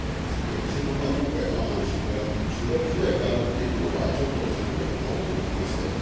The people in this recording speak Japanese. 私も今回の話伺って、中学時代からっていうのは、ちょっと、驚きましたよね。